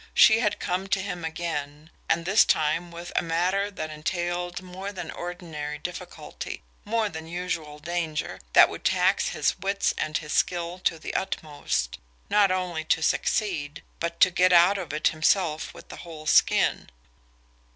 She had come to him again and this time with a matter that entailed more than ordinary difficulty, more than usual danger, that would tax his wits and his skill to the utmost, not only to succeed, but to get out of it himself with a whole skin.